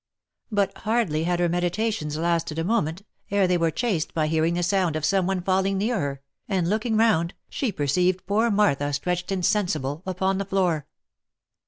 But hardly had her medi tations lasted a moment, ere they were chased by hearing the sound of some one falling near her, and looking round, she perceived poor Martha stretched insensible upon the floor.